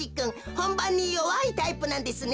ほんばんによわいタイプなんですね。